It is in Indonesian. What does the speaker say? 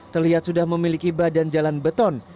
terlihat sudah memiliki badan jalan beton